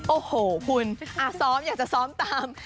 โอ้โหคุณซ้อมอยากจะซ้อมตาม